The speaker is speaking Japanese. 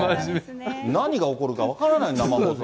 何が起こるか分からない、生放送。